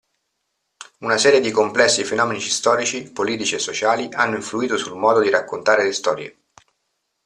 Una serie di complessi fenomeni storici, politici e sociali hanno influito sul modo di raccontare le storie.